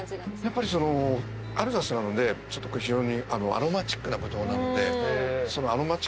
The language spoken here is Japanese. やっぱりアルザスなので非常にアロマチックなブドウなので。